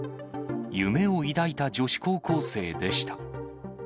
夢を抱いた女子高校生でした。